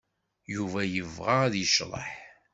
Yuba yebɣa ad yecḍeḥ.